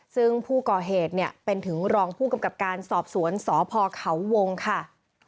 ซึ่งผู้ก่อเหตุเนี่ยเป็นถึงรองผู้กำกับการสอบสวนสพเขาวงค่ะ